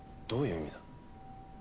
どういう意味だよ？